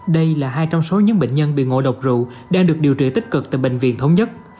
đây là hai trong số những bệnh nhân bị ngộ độc rượu đang được điều trị tích cực tại bệnh viện thống nhất